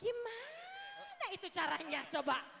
gimana itu caranya coba